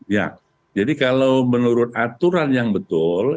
ya jadi kalau menurut aturan yang betul